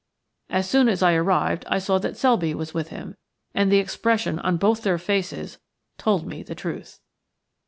As soon as I arrived I saw that Selby was with him, and the expression on both their faces told me the truth.